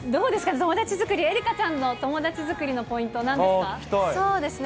友達作り、愛花ちゃんの友達作りのポイント、なんですか？